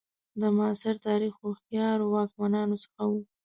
د معاصر تاریخ هوښیارو واکمنانو څخه وو.